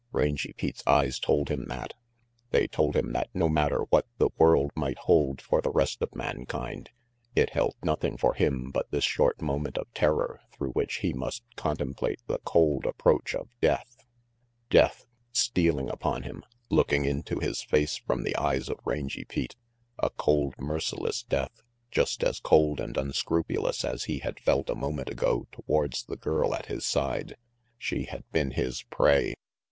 Rangy Pete's eyes told him that. They told him that no matter what the world might hold for the rest of mankind, it held nothing for him but this short moment of terror through which he must contemplate the cold approach of Death Death, 340 RANGY PETE stealing upon him, looking into his face from the eyes of Rangy Pete, a cold, merciless death, just as cold and unscrupulous as he had felt a moment ago towards the girl at his side. She had been his prey.